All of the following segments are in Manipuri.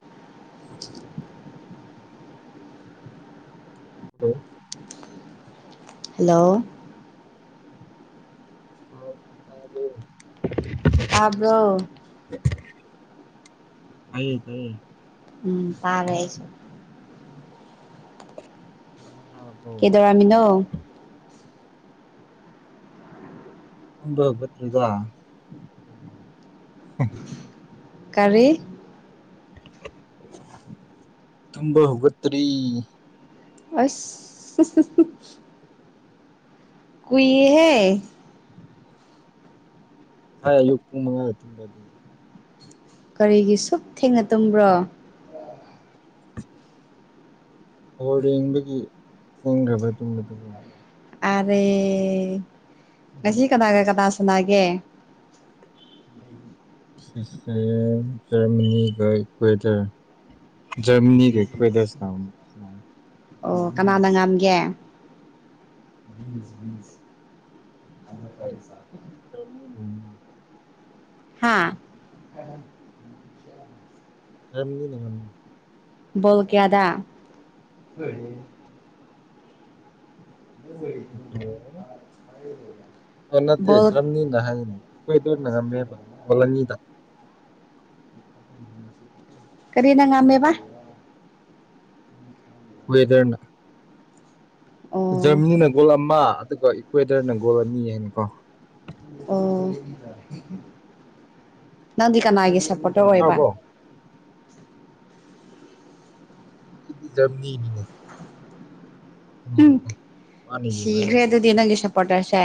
[inaudible] ꯍꯜꯂꯣ ꯍꯜꯂꯣ ꯍꯥꯎ ꯇꯥꯕ꯭ꯔꯣ ꯇꯥꯕ꯭ꯔꯣ ꯇꯥꯏꯌꯦ ꯇꯥꯏꯌꯦ ꯎꯝ ꯇꯥꯔꯦ ꯑꯩꯁꯨ ꯇꯥꯔꯕꯣ ꯀꯦꯗꯧꯔꯝꯃꯤꯅꯣ [unintelligible] [inaudible] ꯀꯔꯤ ꯇꯨꯝꯕ ꯍꯧꯒꯠꯇ꯭ꯔꯤ ꯑꯁ [inaudible] ꯀꯨꯏꯍꯦ ꯉꯁꯥꯏ ꯑꯌꯨꯛ ꯄꯨꯡ ꯃꯉꯥꯗ ꯇꯨꯝꯕꯒꯤ ꯀꯔꯤꯒꯤ ꯁꯨꯛ ꯊꯦꯡꯅ ꯇꯨꯝꯕ꯭ꯔꯣ ꯕꯣꯜ ꯌꯦꯡꯕꯒꯤ ꯊꯦꯡꯈ꯭ꯔꯕ ꯇꯨꯝꯕꯗꯣꯀꯣ ꯑꯔꯦ ꯉꯁꯤ ꯀꯅꯒ ꯀꯅꯥ ꯁꯥꯟꯅꯒꯦ [inaudible] ꯉꯁꯤꯁꯦ ꯖꯔꯃꯅꯤꯒ ꯏꯀ꯭ꯋꯦꯇꯔ ꯖꯔꯃꯅꯤꯒ ꯏꯀ꯭ꯋꯦꯇꯔ ꯁꯥꯟ ꯁꯥꯟ ꯑꯣ ꯀꯅꯥꯅ ꯉꯝꯒꯦ [inaudible] ꯍꯣꯏ ꯖꯔꯃꯅꯤꯅ ꯉꯝꯃꯦ ꯍꯥꯥ ꯖꯔꯃꯅꯤꯅ ꯉꯝꯃꯦ ꯕꯣꯜ ꯀ꯭ꯌꯥꯗ [unintelligible] ꯑꯣ ꯅꯠꯇꯦ ꯕꯣꯜ ꯖꯔꯃꯅꯤꯅ ꯍꯥꯏꯅꯤ ꯏꯀ꯭ꯋꯦꯇꯔꯅ ꯉꯝꯃꯦꯕ ꯒꯣꯜ ꯑꯅꯤꯗ ꯀꯔꯤꯅ ꯉꯝꯃꯦꯕ ꯏꯀ꯭ꯋꯦꯇꯔꯅ ꯑꯣ ꯖꯔꯃꯅꯤꯅ ꯒꯣꯜ ꯑꯃ ꯑꯗꯨꯒ ꯏꯀ꯭ꯋꯦꯇꯔꯅ ꯒꯣꯜ ꯑꯅꯤ ꯅꯤꯀꯣ ꯑꯣ ꯅꯪꯗꯤ ꯀꯅꯥꯒꯤ ꯁꯞ ꯄꯣꯠꯇꯔ ꯑꯣꯏꯕ ꯇꯥꯔꯕꯣ ꯑꯩꯗꯤ ꯖꯔꯃꯅꯤꯒꯤꯅꯦ ꯎꯝ [inaudible] ꯁꯤꯈ꯭ꯔꯦ ꯌꯦꯡꯂꯒ ꯑꯗꯨꯗꯤ ꯅꯪꯒꯤ ꯁꯄꯣꯠꯇꯔꯁꯦ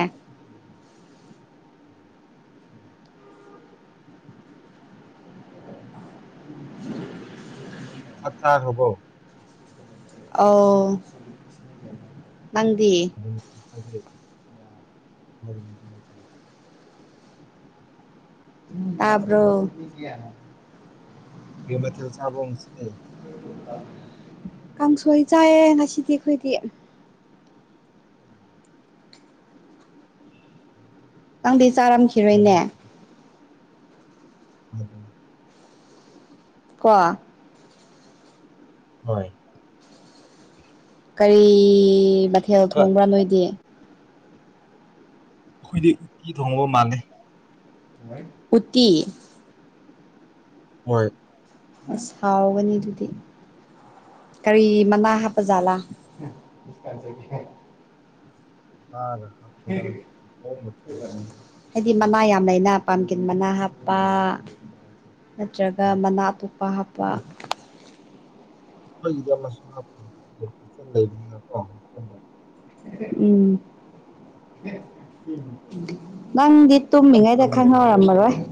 ꯆꯥꯛ ꯆꯥꯈ꯭ꯔꯕꯣ ꯑꯧ ꯅꯪꯗꯤ [inaudible] ꯇꯥꯕ꯭ꯔꯣ ꯀ꯭ꯔꯤ ꯃꯊꯦꯜ ꯆꯕ꯭ꯔꯣ ꯉꯁꯤꯗꯤ ꯀꯥꯡꯁꯣꯏ ꯆꯥꯏꯌꯦ ꯉꯁꯤꯗꯤ ꯑꯩꯈꯣꯏꯗꯤ ꯅꯪꯗꯤ ꯆꯥꯔꯝꯈꯤꯔꯣꯏꯅꯦ [inaudible] ꯀꯣ ꯍꯣꯏ ꯀꯩ ꯃꯊꯦꯜ ꯍꯧꯖꯤꯛꯀꯥꯟ ꯊꯣꯡꯕ꯭ꯔ ꯅꯣꯏꯗꯤ ꯑꯩꯈꯣꯏꯗꯤ ꯎꯇꯤ ꯊꯣꯡꯕ ꯃꯥꯟꯅꯦ ꯎꯠꯇꯤ ꯍꯣꯏ ꯑꯁ ꯍꯥꯎꯒꯅꯤ ꯑꯗꯨꯗꯤ ꯀꯔꯤ ꯃꯅꯥ ꯍꯥꯞꯄꯖꯥꯠꯂ [inaudible] ꯉꯥꯒ [unintelligible] ꯍꯥꯏꯗꯤ ꯍꯣꯁꯇꯦꯜꯗ ꯃꯅꯥ ꯌꯥꯝ ꯂꯩꯕꯅꯤꯅ ꯍꯥꯞꯇꯦ. ꯂꯩꯅ ꯄꯥꯝ ꯇꯤꯟ ꯃꯅꯥ ꯍꯥꯞꯄ ꯅꯠꯇ꯭ꯔꯒ ꯃꯅꯥ ꯑꯇꯣꯞꯄ ꯍꯥꯞꯄ ꯑꯩꯈꯣꯏꯒꯤꯗ ꯑꯃꯁꯨ ꯍꯥꯞ [unintelligible] ꯎꯝ [inaudible] ꯅꯪꯗꯤ ꯏꯆꯝ ꯇꯨꯝꯃꯤꯉꯩꯗ ꯆꯝꯅ ꯊꯣꯡꯉꯒ ꯈꯪꯍꯧꯔꯝꯃꯔꯣꯏ [inaudible] ꯄꯤꯕꯅꯤ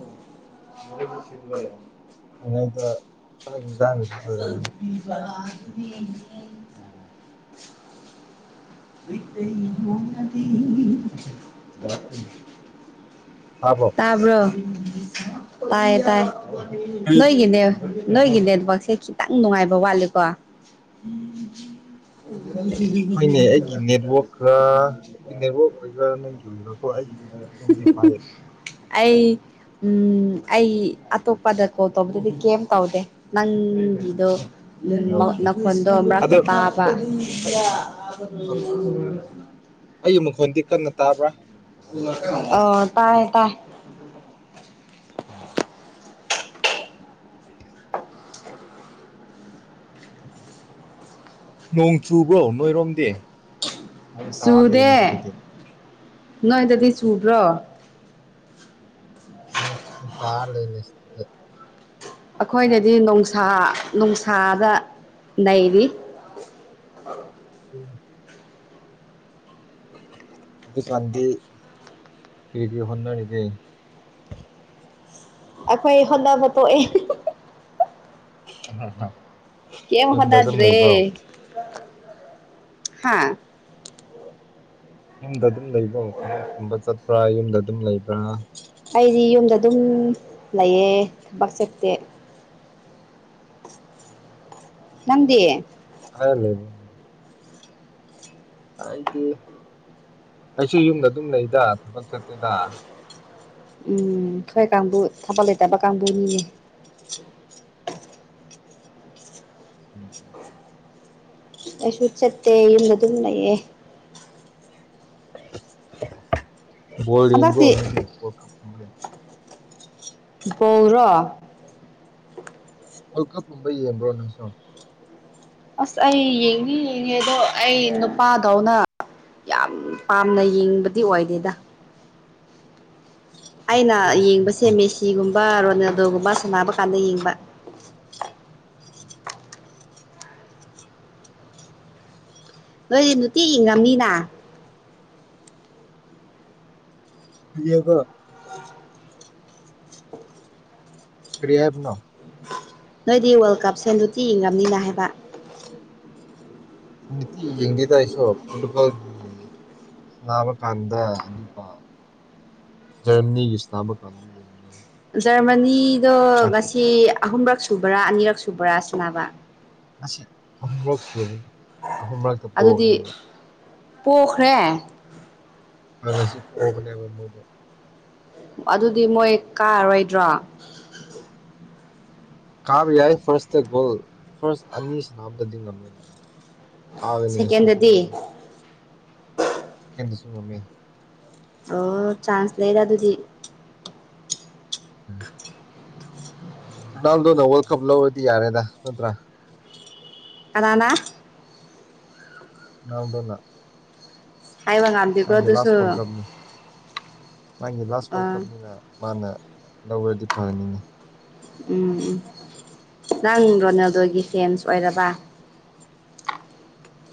[unintelligible] ꯂꯣꯏꯔꯝꯃꯅꯤ [inaudible] [unintelligible] ꯇꯥꯕ꯭ꯔꯣ ꯇꯥꯌꯦ ꯇꯥꯏ ꯀꯔꯤ ꯅꯣꯏꯒꯤꯅꯦ ꯅꯣꯏꯒꯤ ꯅꯦꯠꯋꯥꯛꯁꯦ ꯈꯤꯇꯪ ꯅꯨꯡꯉꯥꯏꯕ ꯋꯥꯠꯂꯦꯀꯣ ꯍꯣꯏꯅꯦ ꯑꯩꯒꯤ ꯅꯦꯠꯋꯥꯛꯔꯥ ꯑꯩꯒꯤ ꯅꯦꯠꯋꯥꯛ ꯑꯣꯏꯒꯕ꯭ꯔꯥ ꯅꯪꯒꯤ [inaudible] ꯑꯩ ꯎꯝ ꯑꯩ ꯑꯇꯣꯞꯄꯗ ꯀꯣꯜ ꯇꯧꯕꯗꯗꯤ ꯀꯩꯝ ꯇꯧꯗꯦ ꯅꯪꯒꯤꯗꯣ ꯎꯝ ꯑꯣꯀꯦ ꯅꯥꯈꯣꯟꯗꯣ ꯑꯗꯣ ꯃꯔꯛꯇ ꯇꯥꯕ ꯑꯣꯀꯦ ꯑꯩ ꯃꯈꯣꯟꯗꯤ ꯀꯟꯅ ꯇꯥꯕ꯭ꯔꯥ ꯑꯣ ꯇꯥꯏꯌꯦ ꯇꯥꯏ ꯎꯝ ꯅꯣꯡ ꯆꯨꯕ꯭ꯔꯣ ꯅꯣꯏꯔꯣꯝꯗꯤ ꯅꯣꯡ ꯇꯥꯔ ꯂꯩꯅꯦ ꯁꯤꯗꯗꯤ ꯅꯣꯏꯗꯥꯗꯤ ꯆꯨ꯭ꯗꯔꯣ ꯇꯥ ꯂꯩꯅꯦ ꯁꯤꯗꯥꯗꯤ ꯑꯩꯈꯣꯏꯅꯗꯤ ꯅꯨꯡꯁꯥ ꯅꯨꯡꯁꯥꯗ ꯅꯩꯔꯤ [inaudible] ꯎꯝ ꯍꯨꯖꯤꯛ ꯀꯥꯟꯗꯤ ꯀꯩ ꯀꯩ ꯍꯣꯠꯅꯔꯤꯒꯦ ꯑꯩꯈꯣꯏ ꯍꯣꯠꯅꯕ ꯇꯣꯛꯑꯦ ꯎꯝ ꯍꯝ ꯀꯩꯝ ꯍꯣꯠꯅꯗ꯭ꯔꯦ ꯍꯥꯥ ꯌꯨꯝꯗ ꯑꯗꯨꯝ ꯂꯩꯕ꯭ꯔꯣ ꯊꯕꯛꯀꯨꯝꯕ ꯆꯠꯄ꯭ꯔꯥ ꯌꯨꯝꯗ ꯑꯗꯨꯝ ꯂꯩꯕ꯭ꯔꯥ ꯑꯩꯗꯤ ꯌꯨꯝꯗ ꯑꯗꯨꯝ ꯂꯩꯌꯦ ꯊꯕꯛ ꯆꯠꯇꯦ ꯅꯪꯗꯤ ꯑꯥꯗ ꯂꯩ ꯑꯩꯗꯤ ꯑꯩꯁꯨ ꯌꯨꯝꯗ ꯑꯗꯨꯝ ꯂꯩꯗ ꯊꯕꯛ ꯆꯠꯇꯦꯗ ꯎꯝ ꯈꯣꯏ ꯀꯥꯡꯕꯨ ꯊꯕꯛ ꯂꯩꯇꯕ ꯀꯥꯡꯕꯨꯅꯤꯅꯦ [unintelligible] ꯑꯩꯁꯨ ꯆꯠꯇꯦ ꯌꯨꯝꯗ ꯗꯨꯝ ꯂꯩꯌꯦ ꯕꯣꯜ ꯌꯦꯡꯕ꯭ꯔꯣ ꯍꯟꯗꯛꯇꯤ ꯅꯣꯏꯗꯤ ꯋꯥꯜꯀꯞ ꯒꯨꯝꯕ ꯌꯦꯡ ꯕꯣꯜ ꯔꯣ ꯋꯥꯜꯀꯞ ꯀꯨꯝꯕ ꯌꯦꯡꯕ꯭ꯔꯣ ꯅꯪ ꯁꯨ ꯑꯁ ꯑꯩ ꯌꯦꯡꯗꯤ ꯌꯦꯡꯉꯦ ꯑꯗꯣ ꯑꯩ ꯅꯨꯄꯥꯗꯧꯅ ꯌꯥꯝ ꯄꯥꯝꯅ ꯌꯦꯡꯕꯗꯤ ꯑꯣꯏꯗꯦꯗ ꯑꯩꯅ ꯄꯣꯔꯇꯨꯒꯜ ꯌꯦꯡꯕꯁꯦ ꯗꯤꯐꯦꯟꯁꯇꯣ ꯃꯦꯁꯤꯒꯨꯝꯕ ꯔꯣꯅꯥꯜꯗꯣꯒꯨꯝꯕ ꯁꯥꯟꯅꯕ ꯀꯥꯟꯗ ꯌꯦꯡꯕ ꯅꯣꯏꯗꯤ ꯅꯨꯡꯇꯤꯒꯤ ꯉꯝꯃꯤꯅ [unintelligible] ꯀꯔꯤꯍꯥꯏꯕꯅꯣ ꯅꯣꯏꯗꯤ ꯋꯥꯔꯜ ꯀꯞꯁꯦ ꯅꯨꯇꯤꯒꯤ ꯏꯪꯉꯝꯃꯤꯅ ꯍꯥꯏꯕ ꯅꯨꯡꯇꯤꯒꯤ ꯌꯦꯡꯗꯦꯗ ꯑꯩꯁꯨ ꯄꯣꯔꯇꯨꯒꯥꯜꯒꯤ ꯁꯥꯅꯥꯕ ꯀꯥꯟꯗ ꯑꯗꯨꯒ ꯖꯔꯃꯥꯅꯤꯒꯤ ꯁꯥꯅꯕ ꯀꯥꯟꯗ ꯌꯦꯡꯕꯅꯦꯍꯦ ꯖꯔꯃꯥꯅꯤꯗꯣ ꯉꯁꯤ ꯑꯍꯨꯝꯔꯛ ꯁꯨꯕ꯭ꯔꯥ ꯑꯅꯤꯔꯛ ꯁꯨꯕ꯭ꯔꯥ ꯁꯥꯅꯕ ꯉꯥꯁꯤ ꯑꯍꯨꯝꯔꯛ ꯁꯨꯕ ꯑꯍꯨꯝ ꯔꯛꯇ ꯄꯣꯈ꯭ꯔꯦ ꯑꯗꯨꯗꯤ ꯃꯣꯏ ꯄꯣꯈ꯭ꯔꯦ ꯑ ꯉꯥꯁꯤ ꯄꯣꯕꯅꯦꯕ ꯃꯣꯏꯗꯣ ꯑꯗꯨꯗꯤ ꯃꯣꯏ ꯀꯥꯔꯔꯣꯏꯗ꯭ꯔꯣ ꯀꯥꯕ ꯌꯥꯏ ꯐꯥꯔꯁꯇ ꯒꯣꯜ ꯐꯥꯔꯁ ꯑꯅꯤ ꯁꯥꯅꯕꯗꯗꯤ ꯉꯝꯃꯦꯅ ꯃꯣꯏ ꯀꯥꯒꯅꯤ ꯉꯥꯁꯤ ꯁꯦꯀꯦꯟꯗꯗꯤ ꯄꯣꯔꯥꯁꯨ ꯗꯁꯨ ꯉꯝꯃꯦ ꯑꯣ ꯆꯥꯟꯁ ꯂꯩꯗ ꯑꯗꯨꯗꯤ ꯎꯝ ꯔꯣꯅꯥꯜꯗꯣꯅ ꯋꯥꯔꯜ ꯀꯞ ꯂꯧꯔꯗꯤ ꯌꯥꯔꯦꯗ ꯅꯠꯇ꯭ꯔꯥ ꯀꯅꯥꯅ ꯅꯥꯜꯗꯣꯅ ꯍꯥꯏꯕ ꯉꯝꯗꯦꯀꯣ ꯃꯥꯒꯤ ꯂꯥꯁ ꯋꯥꯔꯜ ꯑꯗꯨꯁꯨ ꯀꯞꯅꯤ ꯃꯥꯒꯤ ꯂꯥꯁ ꯋꯥꯔꯜ ꯑꯥ ꯀꯞꯅꯤꯅ ꯃꯥꯅ ꯂꯧꯔꯗꯤ ꯐꯥꯅꯤꯅꯦ ꯎꯝ ꯎꯝ ꯅꯪ ꯔꯣꯅꯥꯜꯗꯣꯒꯤ ꯐꯦꯟꯁ ꯑꯣꯏꯔꯕ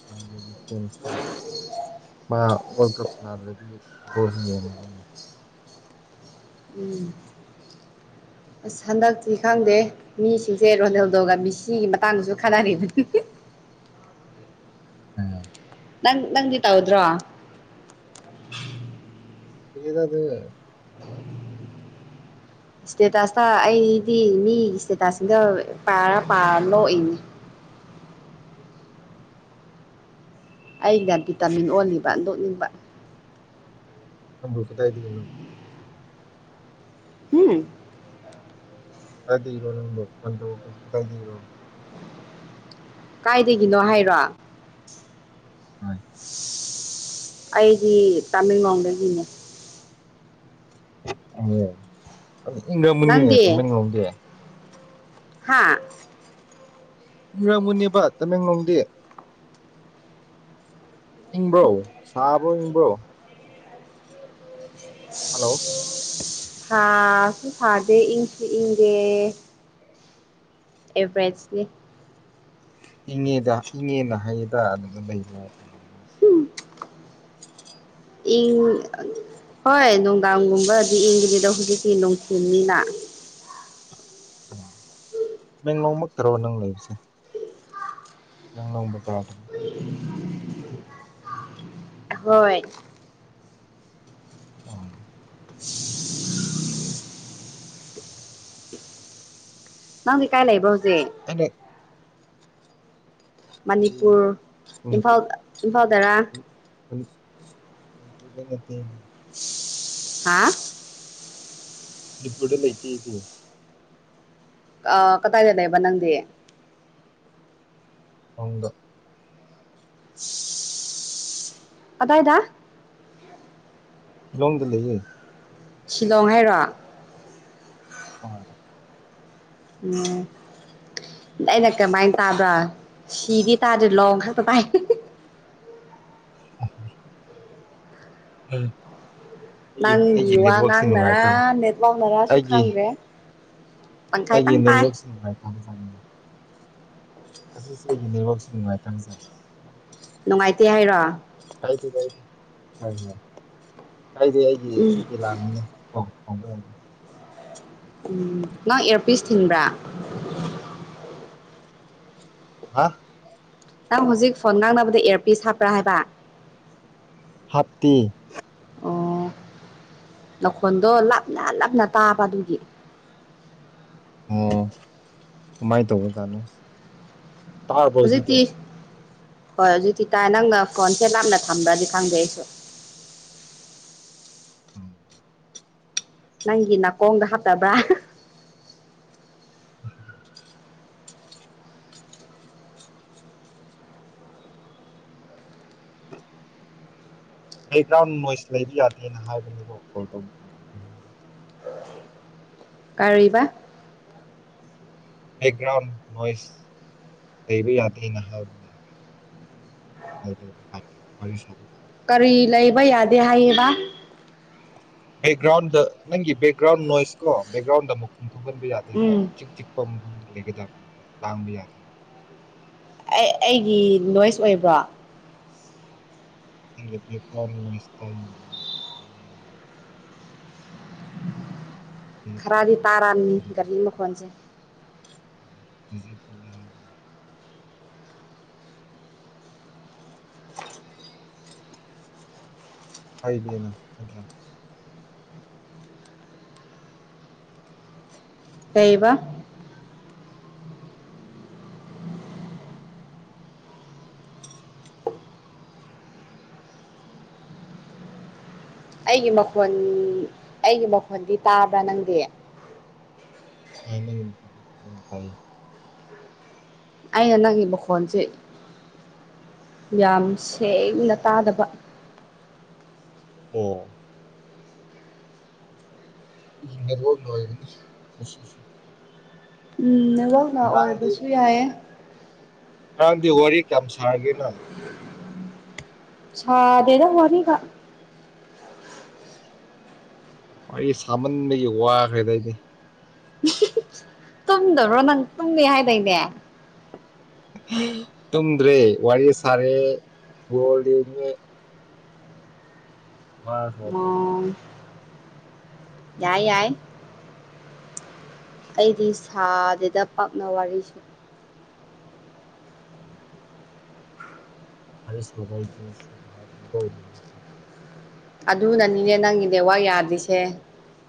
ꯅꯥꯜꯗꯣꯒꯤ ꯐꯦꯟꯁ ꯅꯦ ꯃꯥ ꯋꯥꯔꯜ ꯀꯞ ꯁꯅꯥꯗ꯭ꯔꯗꯤ ꯐꯨꯠꯕꯣꯜꯁꯨ ꯌꯦꯡꯉꯥꯔꯣꯏꯅꯦ ꯎꯝ ꯑꯁ ꯍꯟꯗꯛꯇꯤ ꯈꯪꯗꯦ ꯃꯤꯁꯤꯡꯁꯦ ꯔꯣꯅꯦꯜꯗꯣꯒ ꯃꯤꯁꯤꯒꯤ ꯃꯇꯥꯡꯗꯁꯨ ꯈꯠꯅꯔꯤꯕꯅꯦ [inaudible] ꯎꯝ ꯅꯪ ꯅꯪꯗꯤ ꯇꯧꯗ꯭ꯔꯣ [unintelligible] ꯏꯁꯇꯦꯇꯥꯁꯇ ꯑꯩꯗꯤ ꯃꯤꯒꯤ ꯏꯁꯇꯦꯇꯥꯁꯒ ꯄꯥꯔ ꯄꯥꯔ ꯅꯣꯛꯏꯅꯦ [inaudible] ꯑꯩꯅ ꯚꯤꯇꯥꯃꯤꯟ ꯑꯣꯜꯂꯤꯕ ꯅꯣꯛꯅꯤꯡꯕ ꯅꯪꯕꯨ ꯀꯗꯥꯏꯗꯒꯤꯅꯣ ꯍꯨꯝ ꯀꯥꯏ ꯗꯩꯔꯣ ꯅꯪꯕꯣ ꯐꯣꯟ ꯇꯧꯔꯛꯄꯥꯁꯦ ꯀꯗꯥꯏꯗꯩꯔꯣ ꯀꯥꯏꯗꯒꯤꯅꯣ ꯍꯥꯏꯔꯣ ꯑꯩꯗꯤ ꯇꯥꯃꯦꯡꯂꯣꯡꯗꯒꯤꯅꯦ ꯑꯦ ꯏꯪꯔꯝꯒꯅꯤꯅꯦ ꯇꯥꯡꯃꯦꯡꯂꯣꯝꯗꯤ ꯍꯥꯥ ꯃꯨꯔꯝꯒꯅꯤꯕ ꯇꯥꯃꯦꯡꯂꯣꯡꯗꯤ ꯏꯪꯕ꯭ꯔꯣ ꯁꯥꯕ꯭ꯔꯣ ꯏꯪꯕ꯭ꯔꯣ ꯍꯥꯂꯣ ꯊꯥꯁꯨ ꯁꯥꯗꯦ ꯏꯪꯁꯨ ꯏꯪꯗꯦ ꯑꯦꯕ꯭ꯔꯦꯠꯁꯅꯦ ꯏꯪꯉꯦꯗ ꯏꯪꯉꯦꯅ ꯍꯩꯌꯦꯗ ꯑꯗꯨꯒ ꯂꯩꯕꯅ ꯏꯃꯥꯅꯕꯁꯤꯡꯒ ꯏꯪ ꯑ ꯍꯣꯏ ꯅꯨꯡꯗꯥꯡꯒꯨꯝꯕꯗꯤ ꯏꯪꯒꯅꯤ ꯗꯣ ꯍꯨꯖꯤꯛꯇꯤ ꯅꯣꯡꯇꯤꯟꯅꯤꯅꯥ ꯃꯦꯡꯂꯣꯡꯃꯛꯇꯔꯣ ꯅꯪ ꯂꯩꯕꯁꯦ ꯂꯝꯂꯣꯡ ꯕꯥꯖꯥꯔ ꯗꯥꯒꯤ ꯍꯣꯏ ꯎꯝ ꯅꯪꯗꯤ ꯀꯥꯏ ꯂꯩꯕ꯭ꯔꯣ ꯍꯨꯖꯤ ꯑꯩꯗꯤ ꯃꯅꯤꯄꯨꯔ ꯃꯅꯤꯄꯨꯔ ꯏꯝꯐꯥꯜ ꯏꯝꯐꯥꯜ ꯗꯔꯥ ꯃꯅꯤ- ꯃꯅꯤ- ꯃꯅꯤꯄꯨꯔꯗ ꯅꯠꯇꯦ ꯑꯩꯗꯤ ꯍꯥ ꯃꯅꯤꯄꯨꯔꯗ ꯂꯩꯇꯦ ꯑꯩꯗꯤ ꯑ ꯀꯗꯥꯏꯗ ꯂꯩꯕ ꯅꯪꯗꯤ ꯁꯪꯗ ꯀꯗꯥꯏꯗ ꯥꯁꯤꯂꯣꯡꯗ ꯂꯩꯌꯦ ꯁꯤꯂꯣꯡ ꯍꯥꯏꯔꯣ ꯍꯣꯏ [unintelligible] ꯑꯩꯅ ꯀ꯭ꯔꯃꯥꯏꯅ ꯇꯥꯕ꯭ꯔ ꯁꯤꯒꯤ ꯇꯥꯗꯨꯂꯣꯡ ꯈꯛꯇꯃꯥꯏ [inaudible] [inaudible] ꯑꯩ ꯅꯪꯒꯤ ꯑꯩꯒꯤ ꯋꯥ ꯅꯦꯠꯋꯥꯛꯁꯤ ꯅꯨꯡꯉꯥꯏꯇ ꯉꯥꯡꯅꯔꯥ ꯅꯦꯠꯋꯥꯛꯅꯔꯥꯁꯨ ꯑꯩꯒꯤ ꯈꯪꯗ꯭ꯔꯦ ꯑꯩꯒꯤ ꯇꯪꯈꯥꯏꯇꯪ ꯇꯥꯏ ꯅꯦꯇꯋꯥꯛꯁꯤ ꯅꯨꯡꯉꯥꯏꯇꯖꯥꯠꯅꯤ ꯑꯁꯤꯁꯨ ꯑꯩꯒꯤ ꯅꯦꯠꯋꯥꯛꯁꯤ ꯅꯨꯡꯉꯥꯏꯇꯕꯖꯥꯠꯅꯤ ꯅꯨꯡꯉꯥꯏꯇꯦ ꯍꯥꯏꯔꯣ ꯀꯥꯏꯗꯦ ꯀꯥꯏꯗꯦ [unintelligible] ꯀꯥꯏꯗꯦ ꯑꯩꯒꯤ ꯎꯝ ꯏꯔꯥꯟꯅꯤ ꯀꯣ [unintelligible] ꯎꯝ ꯅꯪ ꯏꯌꯔꯄꯤꯁ ꯊꯤꯟꯕ꯭ꯔꯥ ꯍꯥꯥ ꯅꯪ ꯍꯧꯖꯤꯛ ꯐꯣꯟ ꯉꯥꯡꯅꯕꯗ ꯑꯦꯔꯄꯤꯁ ꯍꯥꯞꯄ꯭ꯔ ꯍꯥꯏꯕ ꯍꯥꯞꯇꯤ ꯑꯣ ꯅꯈꯣꯟꯗꯣ ꯂꯥꯞꯅ ꯂꯥꯞꯅ ꯇꯥꯕ ꯑꯗꯨꯒꯤ ꯑꯣ ꯀꯃꯥꯏꯅ ꯇꯧꯕ ꯖꯥꯠꯅꯦ ꯇꯥꯔꯕꯣ ꯍꯧꯖꯤꯛꯇꯤ ꯍꯣꯏ ꯑꯗꯨꯗꯤ ꯇꯥꯏ ꯅꯪꯅ ꯐꯣꯟꯁꯦ ꯂꯥꯞꯅ ꯊꯝꯕ꯭ꯔꯗꯤ ꯈꯪꯗꯩ ꯑꯩꯁꯨ ꯑꯧ ꯅꯪꯒꯤ ꯅꯥꯀꯣꯡꯗ ꯍꯥꯠꯇꯕ꯭ꯔꯥ [inaudible] ꯕꯦꯛꯒ꯭ꯔꯥꯎꯟ ꯅꯣꯏꯁ ꯂꯩꯕ ꯌꯥꯗꯦꯅ ꯍꯥꯏꯕꯅꯤ ꯀꯣ ꯀꯣꯜ ꯇꯧꯕ ꯀꯥꯟꯗ ꯀꯔꯤꯕ ꯕꯦꯛꯒ꯭ꯔꯥꯎꯟ ꯅꯣꯏꯁ ꯂꯩꯕ ꯌꯥꯗꯦꯅ ꯍꯥꯏꯕꯅꯦ [unintelligible] ꯀꯔꯤ ꯂꯩꯕ ꯌꯥꯗꯦ ꯍꯥꯏꯌꯦꯕ ꯕꯦꯛꯒ꯭ꯔꯥꯎꯟꯗ ꯅꯪꯒꯤ ꯕꯦꯛꯒ꯭ꯔꯥꯎꯟ ꯅꯣꯏꯁ ꯀꯣ ꯕꯦꯛꯒ꯭ꯔꯥꯎꯟꯗ ꯑꯃꯨꯛ ꯊꯣꯛꯍꯟꯕ ꯌꯥꯗꯦꯕ ꯎꯝ ꯏ ꯆꯤꯛ ꯆꯤꯛꯄ ꯃꯐꯝꯗ ꯂꯩꯒꯗꯕꯅꯦꯕ ꯂꯥꯡꯕ ꯌꯥꯗꯦꯕ ꯑꯩꯒꯤ ꯅꯣꯏꯁ ꯑꯣꯏꯕ꯭ꯔꯣ [unintelligible] ꯈꯔꯗꯤ ꯔꯤꯖꯦꯛ ꯇꯔꯥꯅꯤ ꯆꯠꯂꯦ ꯒꯔꯤ ꯃꯈꯣꯟꯁꯦ [unintelligible] ꯍꯥꯏꯗꯦꯅ ꯅꯠꯇ꯭ꯔ ꯀꯩꯕ ꯑꯩꯒꯤ ꯃꯈꯣꯟ ꯑꯩꯒꯤ ꯃꯈꯣꯟꯗꯤ ꯇꯥꯕ꯭ꯔꯥ ꯅꯪꯗꯤ [unintelligible] ꯑꯩꯅ ꯅꯪꯒꯤ ꯃꯈꯣꯟꯁꯦ ꯌꯥꯝ ꯁꯦꯡꯅ ꯇꯥꯗꯕ ꯑꯣ ꯏ ꯅꯦꯠꯋꯔꯛꯅ ꯑꯣꯒꯅꯤ ꯉꯁꯤꯁꯦ ꯎꯝ ꯅꯦꯠꯋꯛꯅ ꯉꯔꯥꯡꯗꯤ ꯑꯣꯏꯕꯁꯨ ꯌꯥꯏꯌꯦ ꯉꯔꯥꯡꯗꯤ ꯋꯥꯔꯤ ꯀ꯭ꯌꯥꯝ ꯁꯥꯔꯒꯦ ꯅꯪ ꯁꯥꯗꯦꯗ ꯋꯥꯔꯤꯒ ꯋꯥꯔꯤ ꯁꯥꯃꯟꯕꯒꯤ ꯋꯥꯈ꯭ꯔꯦꯗ ꯑꯩꯗꯤ ꯇꯨꯝꯗꯕ꯭ꯔꯣ ꯅꯪ ꯇꯨꯝꯃꯦ ꯍꯥꯏꯗꯥꯏꯅꯦ ꯇꯨꯝꯗ꯭ꯔꯦ ꯋꯥꯔꯤ ꯁꯥꯔꯦ ꯕꯣꯜ ꯌꯦꯡꯉꯦ ꯋꯥꯈ꯭ꯔꯦ ꯑꯗꯨ ꯑꯣ ꯌꯥꯏ ꯌꯥꯏ ꯑꯩꯗꯤ ꯁꯥꯗꯦꯗ ꯄꯥꯛꯅ ꯋꯥꯔꯤꯁꯨ ꯑꯔꯦ ꯁꯋꯥꯥꯏꯗꯤꯁꯤ ꯍꯥꯏꯣ [unintelligible] ꯑꯗꯨꯅꯅꯤꯅꯦ ꯅꯪꯒꯤ ꯅꯦꯠꯋꯥꯔꯛ ꯌꯥꯗ꯭ꯔꯤꯁꯦ